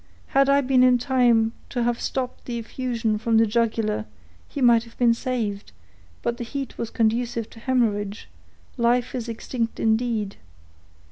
Had I been in time to have stopped the effusion from the jugular, he might have been saved; but the heat was conducive to hemorrhage; life is extinct indeed.